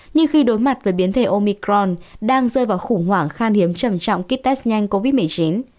nhưng khi đối mặt với biến thể omicron đang rơi vào khủng hoảng khan hiếm trầm trọng kit test nhanh covid một mươi chín